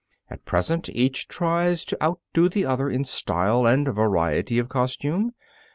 At present each tries to outdo the other in style and variety of costume.